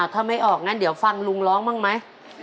ถ้าไม่ออกงั้นเดี๋ยวฟังลุงร้องบ้างไหม